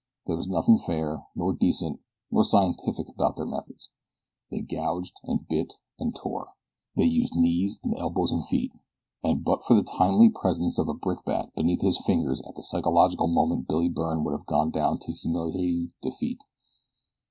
There was nothing fair, nor decent, nor scientific about their methods. They gouged and bit and tore. They used knees and elbows and feet, and but for the timely presence of a brickbat beneath his fingers at the psychological moment Billy Byrne would have gone down to humiliating defeat.